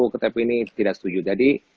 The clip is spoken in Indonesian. tetapi ini tidak setuju jadi